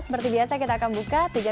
seperti biasa kita akan buka